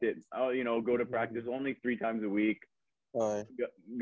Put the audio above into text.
saya kamu tahu pergi ke latihan hanya tiga kali seminggu